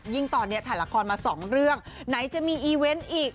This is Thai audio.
ตอนนี้ถ่ายละครมาสองเรื่องไหนจะมีอีเวนต์อีก